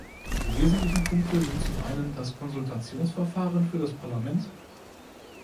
Die wesentlichen Punkte sind zum einen das Konsultationsverfahren für das Parlament.